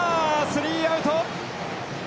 スリーアウト！